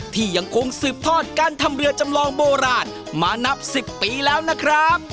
ที่ยังคงสืบทอดการทำเรือจำลองโบราณมานับ๑๐ปีแล้วนะครับ